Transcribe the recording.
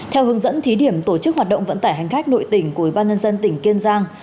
theo hướng dẫn thí điểm tổ chức hoạt động vận tải hành khách nội tỉnh của ủy ban nhân dân tỉnh kiên giang